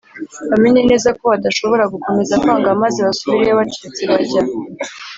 bamenye neza ko badashobora gukomeza kwanga, maze basubirayo bacecetse bajya